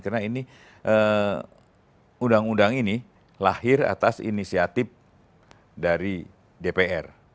karena ini undang undang ini lahir atas inisiatif dari dpr